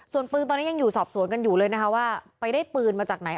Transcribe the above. ส่วนปืนตอนนี้ยังอยู่สอบสวนกันอยู่เลยนะคะว่าไปได้ปืนมาจากไหน